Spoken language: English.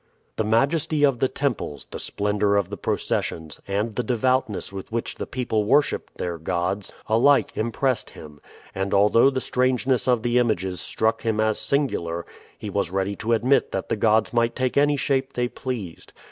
The majesty of the temples, the splendor of the processions, and the devoutness with which the people worshiped their gods, alike impressed him; and although the strangeness of the images struck him as singular, he was ready to admit that the gods might take any shape they pleased.